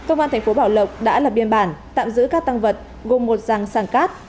công an thành phố bảo lộc đã lập biên bản tạm giữ các tăng vật gồm một giàng sản cát